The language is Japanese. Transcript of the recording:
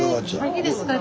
いいですか？